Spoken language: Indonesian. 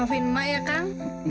maafin emak ya kank